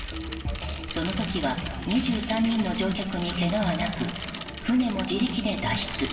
その時は２３人の乗客にけがはなく船も自力で脱出。